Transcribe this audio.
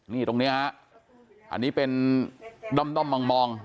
นี่ตรงนี้ฮะอันนี้เป็นด้อมมอง